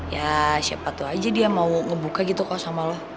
ya siapa tuh aja dia mau ngebuka gitu kok sama lo